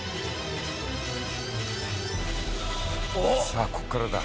さあこっからだ。